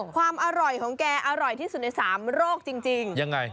ความอร่อยของแกอร่อยที่สุดในสามโรคจริงยังไง